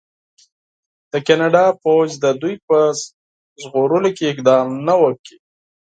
د کاناډا پوځ د دوی په ژغورلو کې اقدام نه و کړی.